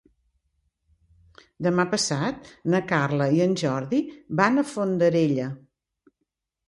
Demà passat na Carla i en Jordi van a Fondarella.